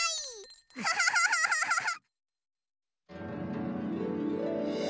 キャハハハハハハ！